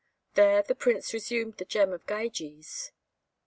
There the Prince resumed the gem of Gyges.